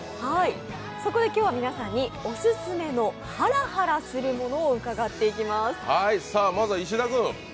そこで今日は皆さんにオススメのハラハラするものを伺っていきます。